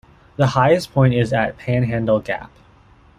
The highest point is at Panhandle Gap.